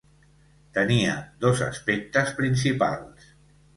Tenia dos aspectes principals.